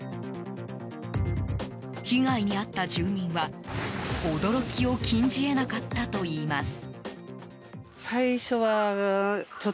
被害に遭った住民は、驚きを禁じ得なかったといいます。